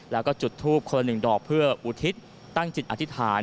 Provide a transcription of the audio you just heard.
แล้วก็จุดทูบคนหนึ่งดอกเพื่ออุทิศตั้งจิตอธิษฐาน